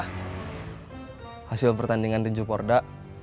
hasil pertandingan di jokorda